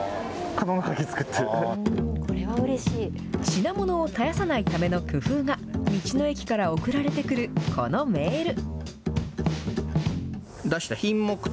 品物を絶やさないための工夫が、道の駅から送られてくるこのメール。